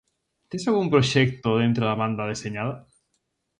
Tes algún proxecto dentro da banda deseñada?